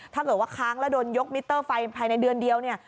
ถ้าเกิดว่าค้างแล้วโดนยกมิเตอร์ไฟภายในเดือนเดียวเนี่ย